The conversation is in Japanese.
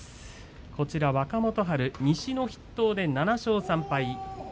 こちら、若元春東の筆頭で７勝３敗。